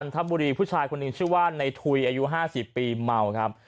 ทบุรีผู้ชายคนหนึ่งชื่อว่าในทุยอายุ๕๐ปีเมาครับ